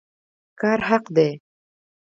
کار حق دی